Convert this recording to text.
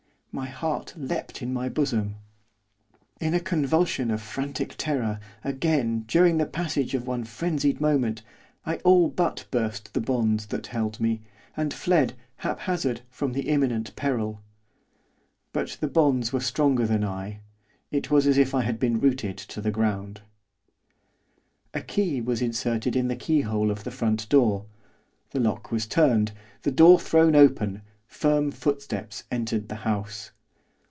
My heart leapt in my bosom. In a convulsion of frantic terror, again, during the passage of one frenzied moment, I all but burst the bonds that held me, and fled, haphazard, from the imminent peril. But the bonds were stronger than I, it was as if I had been rooted to the ground. A key was inserted in the keyhole of the front door, the lock was turned, the door thrown open, firm footsteps entered the house.